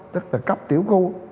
tức là cấp tiểu cung